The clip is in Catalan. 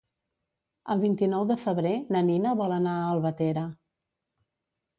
El vint-i-nou de febrer na Nina vol anar a Albatera.